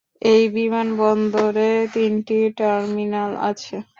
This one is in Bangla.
এই বিমানবন্দরে তিনটি টার্মিনাল আছে।